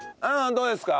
どうですか？